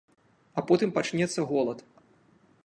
А потым пачнецца голад.